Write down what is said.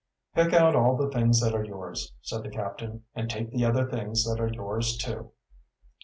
"Pick out all the things that are yours," said the captain. "And take the other things that are yours, too."